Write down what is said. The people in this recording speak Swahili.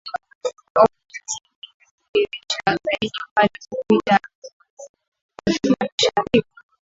Hofu hizi zilijidhihirisha zaidi pale kupitia Othman Sharrif